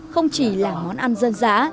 không chỉ là món ăn dân giã